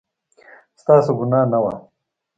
ستاسو ګناه نه وه